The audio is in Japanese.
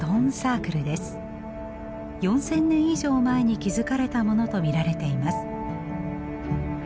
４，０００年以上前に築かれたものと見られています。